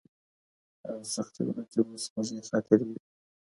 هغه سختې ورځې اوس خوږې خاطرې دي.